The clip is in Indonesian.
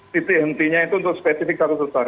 titik hentinya itu untuk spesifik satu sesar